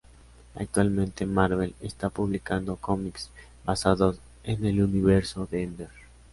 Actualmente Marvel está publicando cómics basados en el Universo de Ender.